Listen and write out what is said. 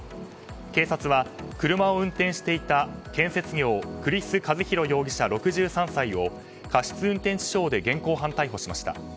警察は車を運転していた建設業、栗栖一弘容疑者６３歳を過失運転致傷で現行犯逮捕しました。